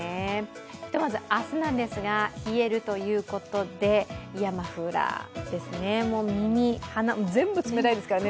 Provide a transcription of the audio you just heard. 明日なんですが冷えるということでイヤマフラー、耳、鼻、全部冷たいですからね。